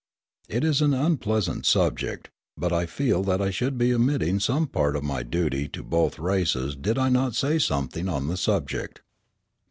It is an unpleasant subject; but I feel that I should be omitting some part of my duty to both races did I not say something on the subject.